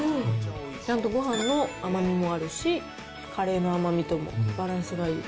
ちゃんとごはんの甘みもあるし、カレーの甘みともバランスがいい。